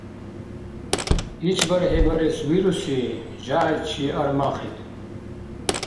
ИшбархӀи барес вируси, жягӀяйчи армахид.